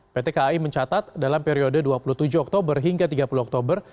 pt kai mencatat dalam periode dua puluh tujuh oktober hingga tiga puluh oktober